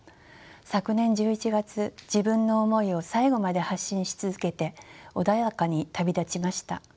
昨年１１月自分の思いを最後まで発信し続けて穏やかに旅立ちました。